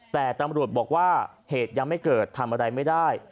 แต่ตำรวจบอกว่าเหตุยังไม่เกิดทำอะไรไม่ได้